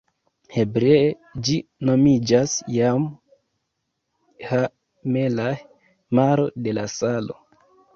Hebree ĝi nomiĝas Jam Ha-melah, Maro de la Salo.